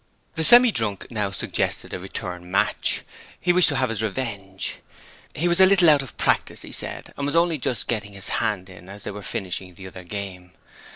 The Semi drunk now suggested a return match. He wished to have his revenge. He was a little out of practice, he said, and was only just getting his hand in as they were finishing the other game.